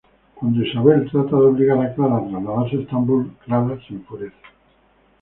Cuando Isabel trata de obligar a Clara a trasladarse a Estambul, Clara se enfurece.